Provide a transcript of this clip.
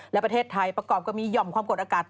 และประเทศไทยประกอบกับมีห่อมความกดอากาศ